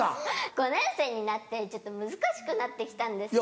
５年生になってちょっと難しくなって来たんですよ。